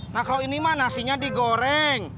nah kalo ini mah nasinya di goreng